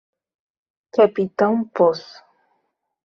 Capitão Poço